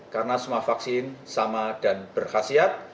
karena semua vaksin sama dan berkhasiat